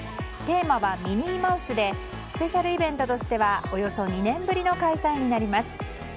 テーマはミニーマウスでスペシャルイベントとしてはおよそ２年ぶりの開催になります。